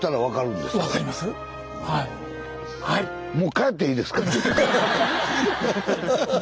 もう帰っていいですか？